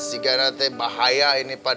sikana teh bahaya ini pak